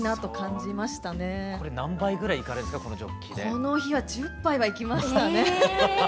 この日は１０杯はいきましたね。